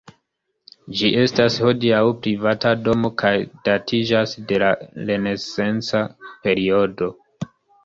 Ĝi estas hodiaŭ privata domo kaj datiĝas de la renesanca periodo.